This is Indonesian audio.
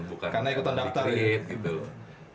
bukan karena di create gitu